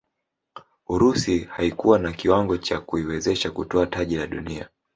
urusi haikuwa na kiwango cha kuiwezesha kutwaa taji la dunia